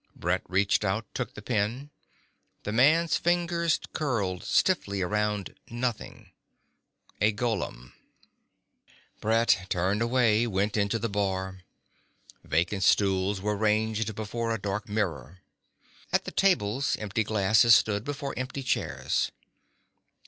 Brett reached out, took the pen. The man's finger curled stiffly around nothing. A golem. Brett turned away, went into the bar. Vacant stools were ranged before a dark mirror. At the tables empty glasses stood before empty chairs.